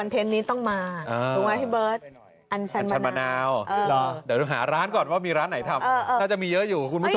ทายร้อนเลย